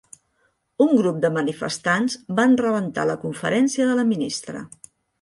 Un grup de manifestants van rebentar la conferència de la ministra.